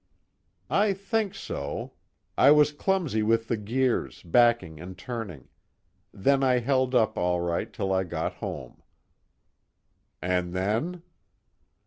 "I think so. I was clumsy with the gears, backing and turning. Then I held up all right till I got home." "And then?"